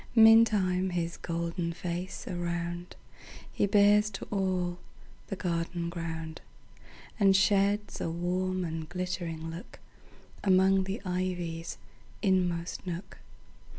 Meantime his golden face aroundHe bears to all the garden ground, And sheds a warm and glittering lookAmong the ivy's inmost nook.